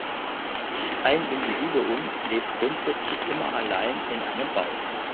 Ein Individuum lebt grundsätzlich immer allein in einem Bau.